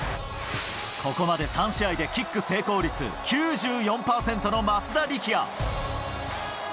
ここまで３試合でキック成功率９４％の松田力也。